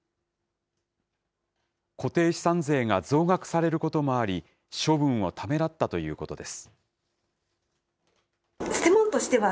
固定資産税が増額されることもあり、処分をためらったということです。